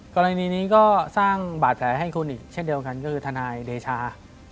กรณีนี้ก็สร้างบาดแผลให้คุณอีกเช่นเดียวกันก็คือทนายเดชา